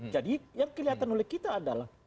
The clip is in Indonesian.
jadi yang kelihatan oleh kita adalah